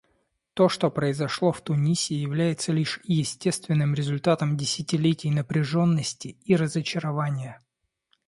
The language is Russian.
То, что произошло в Тунисе, является лишь естественным результатом десятилетий напряженности и разочарования.